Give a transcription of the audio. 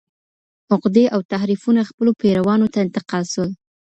عقدې او تحریفونه خپلو پیروانو ته انتقال سول.